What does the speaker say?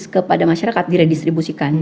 kepada masyarakat diredistribusikan